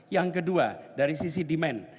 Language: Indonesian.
yang kedua dari sisi demand